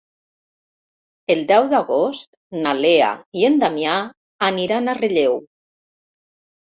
El deu d'agost na Lea i en Damià aniran a Relleu.